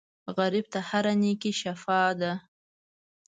غریب ته هره نېکۍ شفاء ده